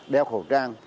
đeo khẩu trang